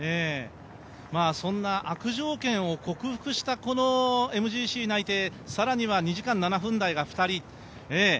そんな悪条件を克服したＭＧＣ内定更には２時間７分台が２人。